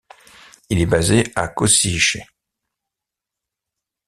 Il est basé à Košice.